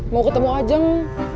mau ketemu ajeng